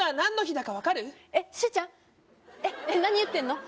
えっ何言ってんの？